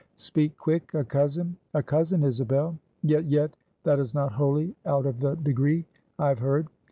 "Speak quick! a cousin?" "A cousin, Isabel." "Yet, yet, that is not wholly out of the degree, I have heard.